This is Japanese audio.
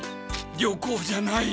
旅行じゃない。